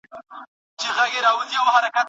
کندارۍ ملالې دا به مو قسمت وي